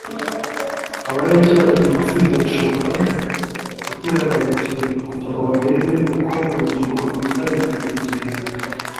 Abarayiki babiri Iri tsinda rishobora guterana buri gihembwe kugirango barebe uko urubyiruko rwitabira buri gihembwe.